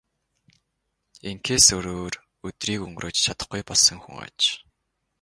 Ингэхээс өөрөөр өдрийг өнгөрөөж чадахгүй болсон хүн аж.